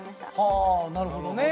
はあなるほどね。